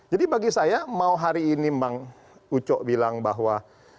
jadi bagi saya mau hari ini bang ucok bilang bahwa